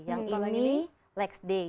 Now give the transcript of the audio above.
yang ini legs day